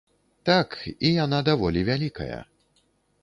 Так, і яна даволі вялікая.